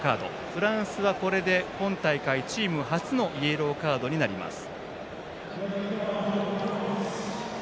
フランスはこれで今大会チーム初イエローカードになります。